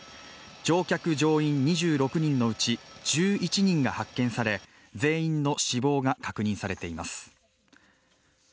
乗客・乗員２６人のうち１１人が発見され全員の死亡が確認されています。